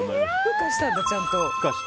孵化したんだ、ちゃんと。